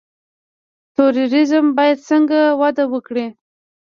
توریزم باید څنګه وده وکړي؟